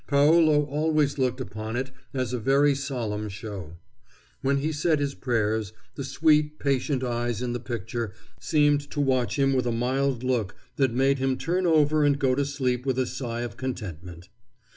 Paolo always looked upon it as a very solemn show. When he said his prayers, the sweet, patient eyes in the picture seemed to watch him with a mild look that made him turn over and go to sleep with a sigh of contentment.